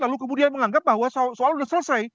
lalu kemudian menganggap bahwa soal sudah selesai